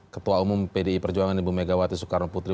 ketua umum pdi perjuangan ibu megawati soekarno putri